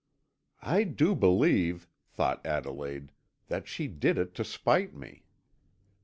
"I do believe," thought Adelaide, "that she did it to spite me."